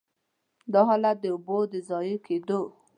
دا حالت د اوبو د ضایع کېدو.